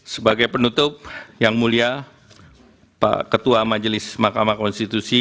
sebagai penutup yang mulia pak ketua majelis mahkamah konstitusi